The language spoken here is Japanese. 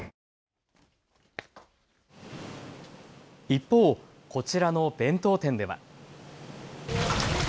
一方、こちらの弁当店では。